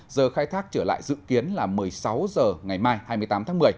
giờ khai thác trở lại dự kiến là một mươi sáu h ngày mai hai mươi tám tháng một mươi